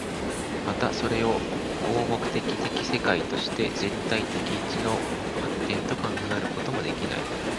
またそれを合目的的世界として全体的一の発展と考えることもできない。